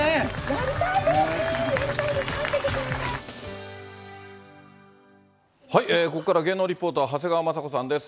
やりたいです、ここからは、芸能リポーター、長谷川まさ子さんです。